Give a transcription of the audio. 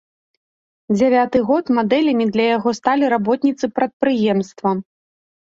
Дзявяты год мадэлямі для яго сталі работніцы прадпрыемства.